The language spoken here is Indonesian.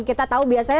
kita tahu biasanya